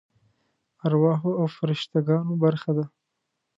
ارواحو او فرشته ګانو برخه ده.